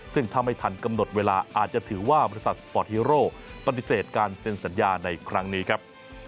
ซึ่งถ้าไม่ทันกำหนดเวลาอาจจะถือว่าบริษัทสปอร์ตฮีโร่ปฏิเสธการเซ็นสัญญาในครั้งนี้ครับ